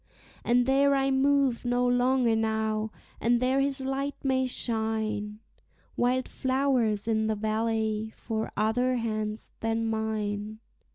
And there I move no longer now, and there his light may shine, Wild flowers in the valley for other hands than mine.